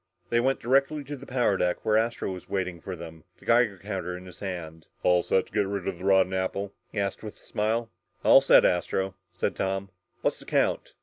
They went directly to the power deck where Astro was waiting for them, the Geiger counter in his hand. "All set to get rid of the rotten apple?" he asked with a smile. "All set, Astro," said Tom. "What's the count?"